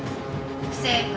不正解。